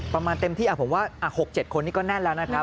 ประมาณเต็มที่ผมว่า๖๗คนนี้ก็แน่นแล้วนะครับ